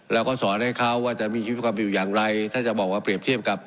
เราก็สอนให้เขาว่าจะมีชีวิตความอยู่อย่างไรถ้าจะบอกว่าเปรียบเทียบกับ